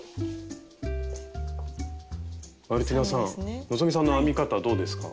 マルティナさん希さんの編み方どうですか？